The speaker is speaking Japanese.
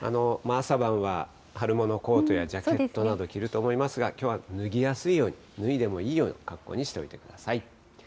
朝晩は春物のコートやジャケットなど着ると思いますが、きょうは脱ぎやすいように、脱いでもいいような格好にしておいてください。